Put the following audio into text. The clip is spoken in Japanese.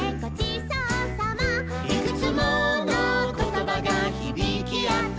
「いくつものことばがひびきあって」